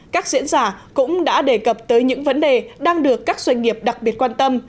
các diễn giả cũng đã đề cập tới những vấn đề đang được các doanh nghiệp đặc biệt quan tâm